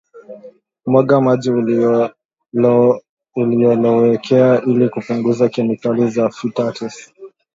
mwaga maji uliyolowekea ili kupunguza kemikali ya phytates